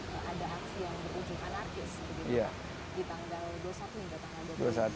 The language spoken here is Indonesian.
ada aksi yang berujung anakis